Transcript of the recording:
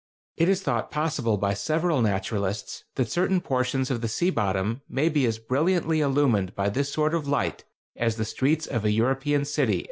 It is thought possible by several naturalists that certain portions of the sea bottom may be as brilliantly illumined by this sort of light as the streets of a European city after sunset.